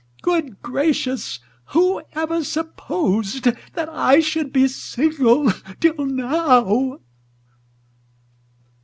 Good gracious! who ever supposed That I should be single till now?